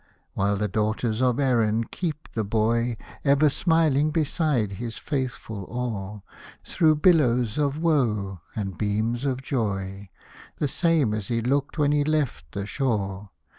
While the daughters of Erin keep the boy, Ever smiling beside his faithful oar, Through billows of woe, and beams of joy, The same as he looked when he left the shore.